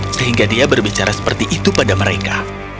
sehingga dia berbicara seperti itu pada mereka